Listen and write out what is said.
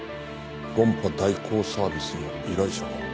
論破代行サービスの依頼者か。